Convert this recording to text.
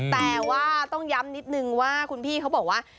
แต่ว่าต้องย้ำนิดนึงว่าคุณพี่เขาบอกว่า